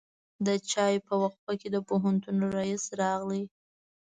د چای په وقفه کې د پوهنتون رئیس راغی.